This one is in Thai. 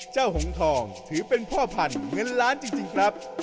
เจ้าหงฑถือเป็นพ่อผันเงินล้านจริงครับ